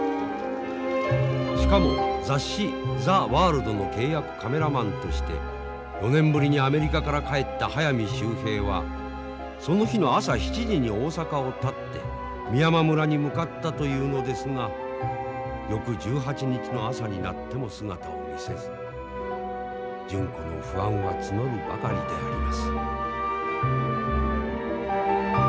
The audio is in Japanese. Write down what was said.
しかも雑誌「ザ・ワールド」の契約カメラマンとして４年ぶりにアメリカから帰った速水秀平はその日の朝７時に大阪をたって美山村に向かったというのですが翌１８日の朝になっても姿を見せず純子の不安はつのるばかりであります。